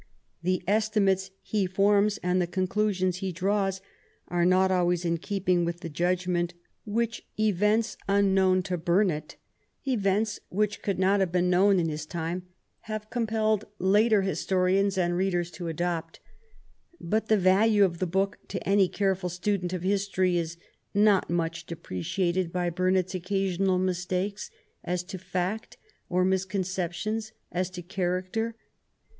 The estimates he forms and the conclusions he draws are not always in keeping with the judgment which events unknown to Burnet^ 18 WHAT THE QUEEN CAME TO— AT HOME events which could not have been known in his time, have compelled later historians and readers to adopt. But the value of the book to any careful student of his tory is not much depreciated by Burnet's occasional mis takes as to fact or misconception as to character.